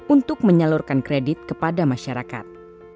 untuk menyalurkan kredit kepada masyarakat